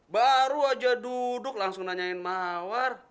baru aja duduk langsung nanyain mawar